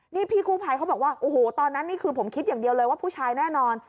นี่พี่กู้ภัยเขาบอกว่าโอ้โหตอนนั้นนี่คือผมคิดอย่างเดียวเลยว่าผู้ชายแน่นอน